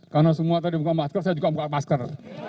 karena semua tadi muka masker saya juga muka masker